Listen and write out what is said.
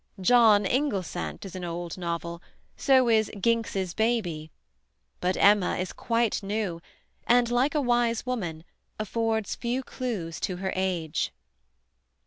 'John Inglesant' is an old novel, so is 'Ginx's Baby.' But Emma is quite new, and, like a wise woman, affords few clues to her age."